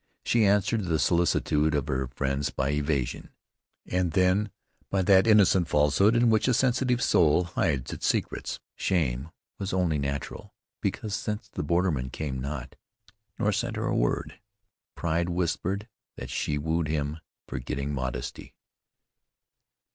She answered the solicitude of her friends by evasion, and then by that innocent falsehood in which a sensitive soul hides its secrets. Shame was only natural, because since the borderman came not, nor sent her a word, pride whispered that she had wooed him, forgetting modesty.